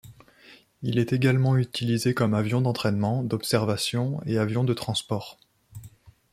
Il est également utilisé comme avion d'entraînement, d'observation et avion de transport.